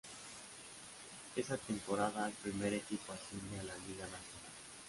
Esa temporada el primer equipo asciende a la Liga Nacional.